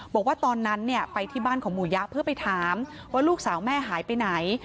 บอกว่าตอนนั้นไปที่บ้านของหมู่ยะเพื่อไปถามว่าลูกสาวแม่หายไปไหน